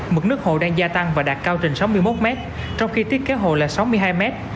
mực nước hồ đang gia tăng và đạt cao trên sáu mươi một mét trong khi tiết kế hồ là sáu mươi hai mét